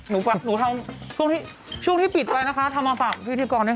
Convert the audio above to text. นี่ครับพี่ช่วงที่ปิดไปนะคะทำมาฝากพี่ดีกรด้วยค่ะ